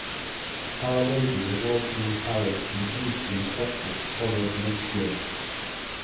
Our Lady of Walsingham parish in Houston, Texas, followed the next year.